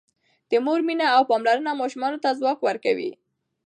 د مور مینه او پاملرنه ماشومانو ته ځواک ورکوي.